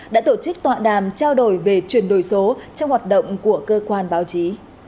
đã tổ chức tọa đàm trao đổi về chuyển đổi số trong hoạt động của cơ quan báo chí